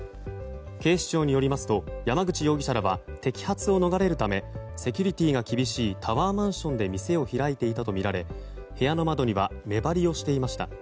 警視庁によりますと山口容疑者らは摘発を逃れるためセキュリティーが厳しいタワーマンションで店を開いていたとみられ部屋の窓には目張りをしていました。